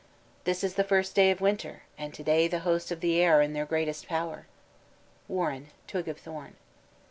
"This is the first day of the winter, and to day the Hosts of the Air are in their greatest power." WARREN: _Twig of Thorn.